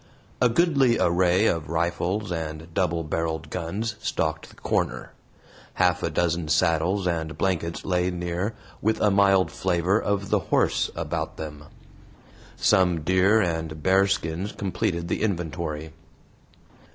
A goodly array of rifles and double barreled guns stocked the corner; half a dozen saddles and blankets lay near, with a mild flavor of the horse about them. Some deer and bear skins completed the inventory.